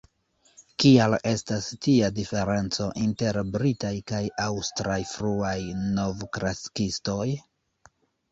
Kial estas tia diferenco inter britaj kaj aŭstraj fruaj novklasikistoj?